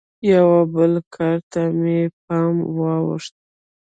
یوه بل کار ته مې پام واوښت.